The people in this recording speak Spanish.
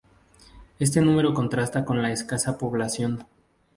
Este número contrasta con la escasa población.